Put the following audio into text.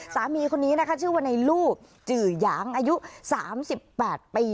สามีคนนี้นะคะชื่อว่าในลูกจือหยางอายุ๓๘ปี